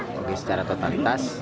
mungkin secara totalitas